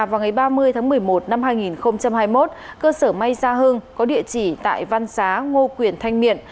vào ngày ba mươi tháng một mươi một năm hai nghìn hai mươi một cơ sở may gia hưng có địa chỉ tại văn xá ngô quyền thanh miện